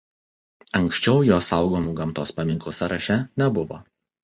Anksčiau jo saugomų gamtos paminklų sąraše nebuvo.